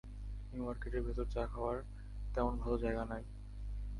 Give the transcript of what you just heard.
New মার্কেটের ভেতর চা খাওয়ার তেমন ভালো জায়গা নেই।